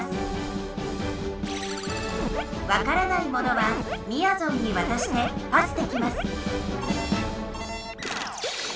わからないものはみやぞんにわたしてパスできます